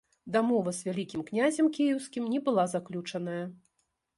Дамова з вялікім князем кіеўскім не была заключаная.